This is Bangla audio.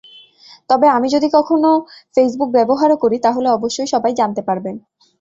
তবে আমি যদি কখনো ফেসবুক ব্যবহারও করি তাহলে অবশ্যই সবাই জানতে পারবেন।